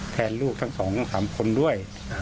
แทนลูกทั้งสอง๓คนด้วย